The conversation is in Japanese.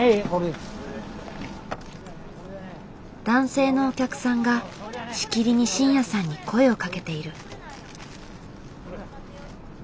男性のお客さんがしきりに慎也さんに声をかけている。